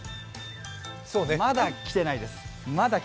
まだ来てないです。